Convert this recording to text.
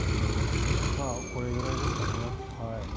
これぐらいですかね。